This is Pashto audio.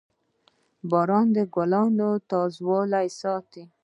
• باران د ګلونو تازهوالی ساتي.